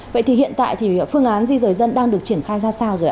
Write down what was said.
vậy thì hiện tại phương án di dời dân đang được triển khai ra sao rồi ạ